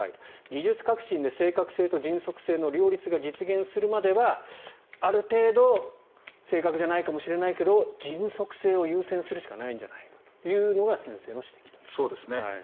技術革新で正確性と迅速性の両立が実現するまでは、ある程度正確じゃないかもしれないけど迅速性を優先するしかないんじゃないかというのが先生の指摘だと。